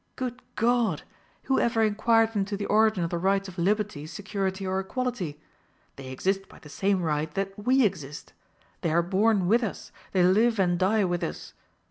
Good God! who ever inquired into the origin of the rights of liberty, security, or equality? They exist by the same right that we exist; they are born with us, they live and die with us.